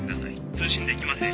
通信できません。